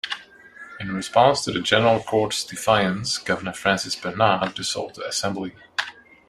In response to the General Court's defiance, Governor Francis Bernard dissolved the assembly.